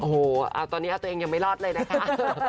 โอ้โหตอนนี้ตัวเองยังไม่รอดเลยนะครับ